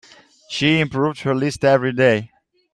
She improved her list every day.